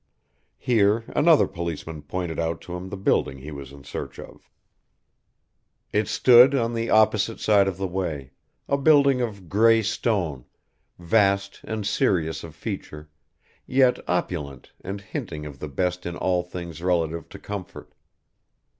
Here another policeman pointed out to him the building he was in search of. It stood on the opposite side of the way, a building of grey stone, vast and serious of feature, yet opulent and hinting of the best in all things relative to comfort.